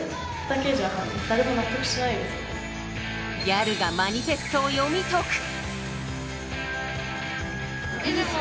ギャルがマニフェストを読み解く！？